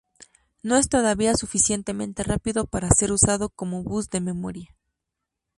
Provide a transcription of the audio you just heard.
No es todavía suficientemente rápido para ser usado como bus de memoria.